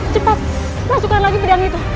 cepat masukkan lagi pedang itu